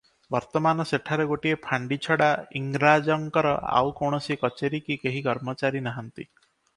ବର୍ତ୍ତମାନ ସେଠାରେ ଗୋଟିଏ ଫାଣ୍ତି ଛଡ଼ା ଇଂରାଜଙ୍କର ଆଉ କୌଣସି କଚେରୀ କି କେହି କର୍ମଚାରୀ ନାହାନ୍ତି ।